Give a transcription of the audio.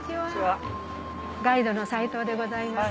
ガイドの斎藤でございます。